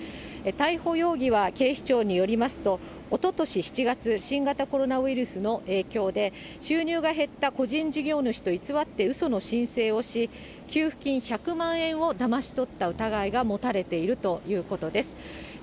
逮捕容疑は警視庁によりますと、おととし７月、新型コロナウイルスの影響で、収入が減った個人事業主と偽ってうその申請をし、給付金１００万円をだまし取った疑いが持たれているということです。